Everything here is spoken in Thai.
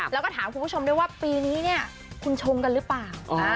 แล้วก็ถามคุณผู้ชมด้วยว่าปีนี้เนี่ยคุณชงกันหรือเปล่า